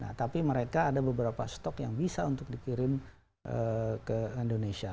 nah tapi mereka ada beberapa stok yang bisa untuk dikirim ke indonesia